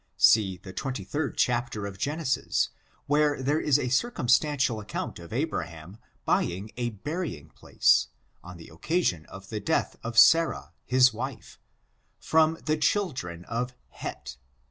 See 23d chap, of Gen., where there is a circumstan tial account of Abraham buying a biuying place, on the occasion of the death of Sarah, his wife, from the children of Heth.